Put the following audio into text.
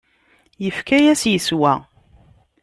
Yefka-yas yeswa.